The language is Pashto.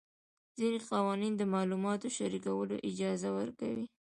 ځینې قوانین د معلوماتو شریکولو اجازه ورکوي.